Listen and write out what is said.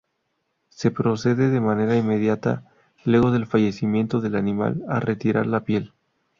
Se procede de manera inmediata luego del fallecimiento del animal, a retirar la piel.